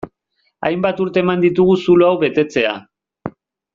Hainbat urte eman ditugu zulo hau betetzea.